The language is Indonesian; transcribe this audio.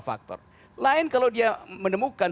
faktor lain kalau dia menemukan